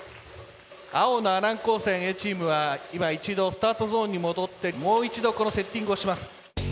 青の阿南高専Ａチームは今一度スタートゾーンに戻ってもう一度このセッティングをします。